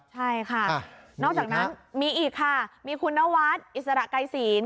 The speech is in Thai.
ใช่ค่ะนอกจากนั้นมีอีกค่ะมีคุณนวัดอิสระไกรศีล